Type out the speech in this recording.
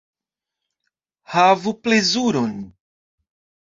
Havu plezuron!